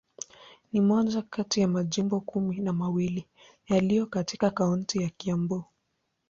Ni moja kati ya majimbo kumi na mawili yaliyo katika kaunti ya Kiambu.